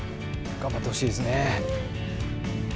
頑張ってほしいですね。